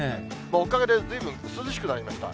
おかげでずいぶん涼しくなりました。